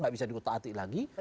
nggak bisa diutak utik lagi